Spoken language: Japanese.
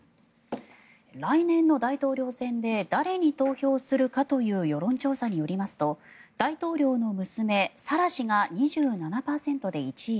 来年の大統領選で誰に投票するかという世論調査によりますと大統領の娘・サラ氏が２７％で１位